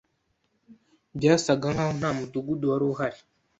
Byasaga nkaho nta mudugudu wari uhari